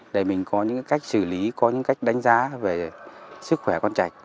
để mình có những cách xử lý có những cách đánh giá về sức khỏe con chạch